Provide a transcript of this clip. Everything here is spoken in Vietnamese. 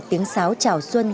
tiếng xáo chào xuân